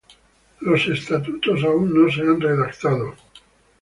Los estatutos aún no se han redactado.